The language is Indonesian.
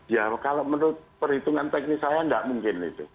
ya kalau menurut perhitungan teknis saya tidak mungkin itu